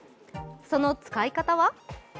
その使い方は？